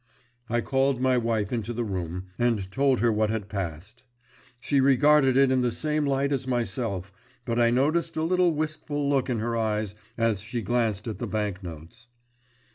I called my wife into the room, and told her what had passed. She regarded it in the same light as myself, but I noted a little wistful look in her eyes as she glanced at the bank notes.